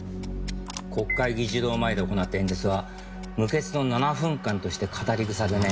国会議事堂前で行った演説は無血の７分間として語り草でね。